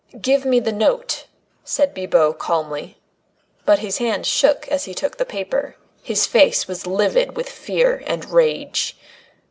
"Give me the note!" said Bibot calmly. But his hand shook as he took the paper; his face was livid with fear and rage.